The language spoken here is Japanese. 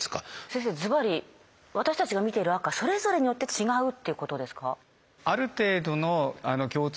先生ずばり私たちが見ている赤それぞれによって違うっていうことですか？